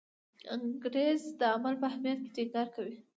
انګریز د عمل په اهمیت ټینګار کوي.